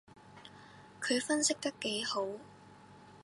佢分析得幾號